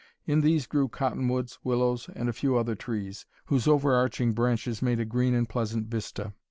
In these grew cottonwoods, willows, and a few other trees, whose overarching branches made a green and pleasant vista.